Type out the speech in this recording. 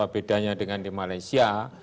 bedanya dengan di malaysia